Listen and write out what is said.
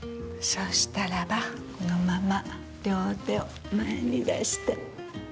そうしたらばこのまま両手を前に出して。